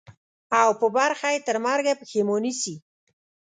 او په برخه یې ترمرګه پښېماني سي.